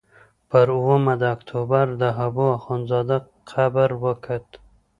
پر اوومه د اکتوبر د حبو اخندزاده قبر وکت.